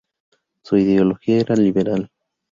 Su ideología era liberal.